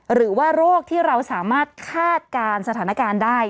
หรือว่าโรคที่เราสามารถคาดการณ์สถานการณ์ได้